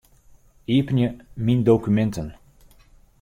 Iepenje Myn dokuminten.